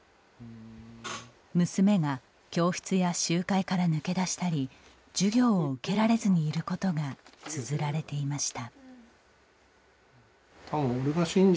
娘が教室や集会から抜け出したり授業を受けられずにいることがつづられていました。